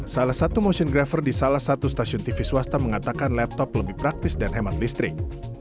salah satu motiongrafer di salah satu stasiun tv swasta mengatakan laptop lebih praktis dan hemat listrik